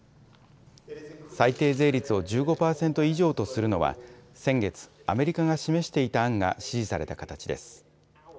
最低税率を１５％以上とするのは先月、アメリカが示していた案が支持された形です。